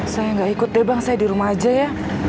saya nggak ikut deh bang saya di rumah aja ya